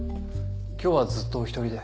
今日はずっとお一人で？